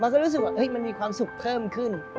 ก็รู้สึกว่ามันมีความสุขเพิ่มขึ้น